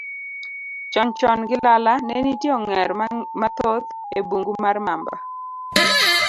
Chon chon gilala, ne nitie ong'er mathoth e bungu mar Mamba.